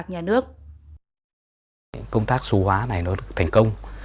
công tác số hóa này nó được thành công